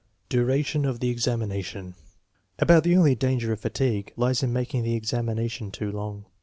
Duration of the examination. About the only danger of fatigue lies in making the examination too long.